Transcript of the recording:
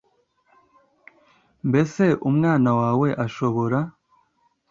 Mbese umwana wawe ashobora